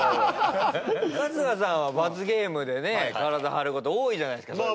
春日さんは罰ゲームでね体張ること多いじゃないですか。